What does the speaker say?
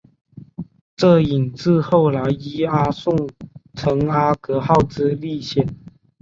这引致后来伊阿宋乘阿格号之历险。